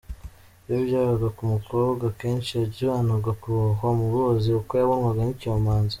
Iyo byabaga ku mukobwa akeshi yajyanwaga kurohwa mu ruzi kuko yabonwaga nk’icyomanzi.